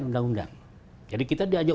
undang undang jadi kita diajak